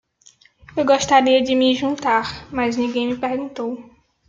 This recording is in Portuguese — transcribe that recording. Eu gostaria de me juntar, mas ninguém me perguntou.